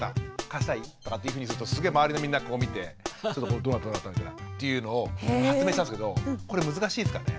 貸したい？とかっていうふうにするとすげえ周りのみんながこう見てどうなったんだっていうのを発明したんですけどこれ難しいですかね？